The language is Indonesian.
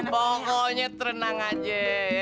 pokoknya terenang aja